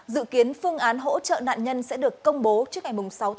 dự kiến phương án hỗ trợ nạn nhân sẽ được công bố trước ngày sáu một mươi một hai nghìn hai mươi ba